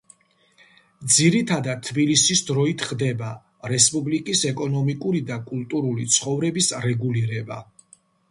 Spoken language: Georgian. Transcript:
ძირითადად თბილისის დროით ხდება რესპუბლიკის ეკონომიკური და კულტურული ცხოვრების რეგულირება.